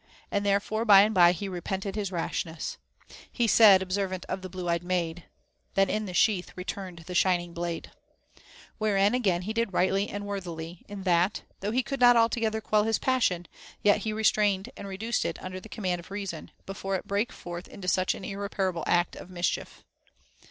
And there fore by and by he repented his rashness, — He said, observant of the blue eyed maid ; Then in the sheath returned the shining blade ; wherein again he did rightly and worthily, in that, though he could not altogether quell his passion, yet he restrained and reduced it under the command of reason, before it brake forth into such an irreparable act of mischief.